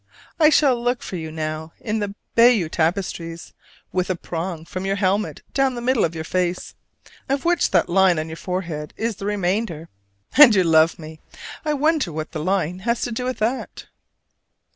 I shall look for you now in the Bayeux tapestries with a prong from your helmet down the middle of your face of which that line on your forehead is the remainder. And you love me! I wonder what the line has to do with that?